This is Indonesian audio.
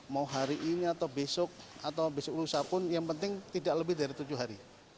mau hari ini atau besok atau besok lusa pun yang penting tidak lebih dari tujuh hari